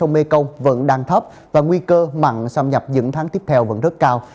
mê công vẫn đang thấp và nguy cơ mặn xâm nhập dựng tháng tiếp theo vẫn rất cao